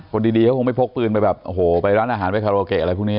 คนดีเขาคงไม่พกปืนไปแบบโอ้โหไปร้านอาหารไปคาราโอเกะอะไรพวกนี้